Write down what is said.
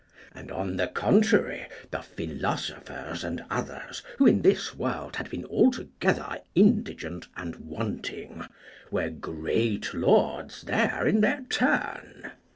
And, on the contrary, the philosophers and others, who in this world had been altogether indigent and wanting, were great lords there in their turn.